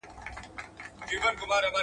زه به سبا مړۍ خورم!!